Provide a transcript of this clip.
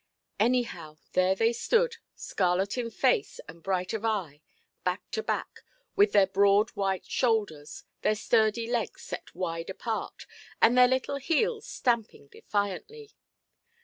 Anyhow, there they stood, scarlet in face and bright of eye, back to back, with their broad white shoulders, their sturdy legs set wide apart, and their little heels stamping defiantly.